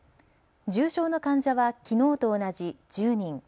重症の患者はきのうと同じ１０人。